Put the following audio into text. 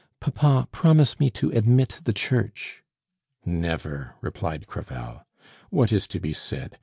"Papa, promise me to admit the Church " "Never," replied Crevel. "What is to be said?